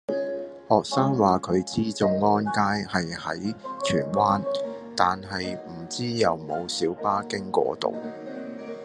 學生話佢知眾安街係喺荃灣，但係唔知有冇小巴經嗰度